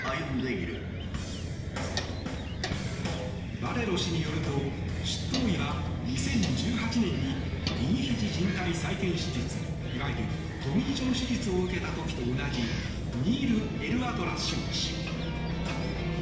バレロ氏によると執刀医は２０１８年に右ひじじん帯再建手術いわゆるトミー・ジョン手術を受けた時と同じニール・エルアトラッシュ医師。